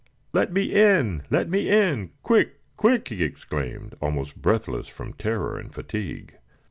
"Let me in! let me in! Quick! quick!" he exclaimed, almost breathless from terror and fatigue.